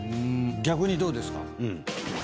逆にどうですか？